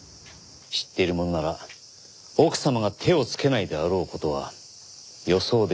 知っている者なら奥様が手をつけないであろう事は予想できる。